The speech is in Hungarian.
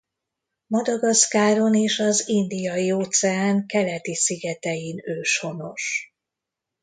Madagaszkáron és az Indiai-óceán keleti szigetein őshonos.